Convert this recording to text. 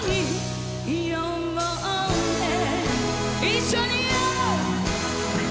一緒に。